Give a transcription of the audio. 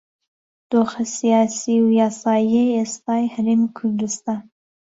دۆخە سیاسی و یاساییەی ئێستای هەرێمی کوردستان